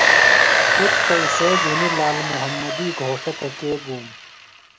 پُتر پیئسے گِھینیۡ لال محمدی گھوݜٹہ تھےۡ کے گُوم؟